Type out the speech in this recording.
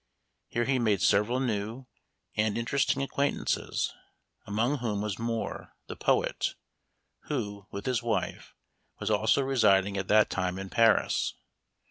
Here he made several new and interesting acquaintances, among whom was Moore, the poet,* who, with his wife, was also residing at that time in Paris.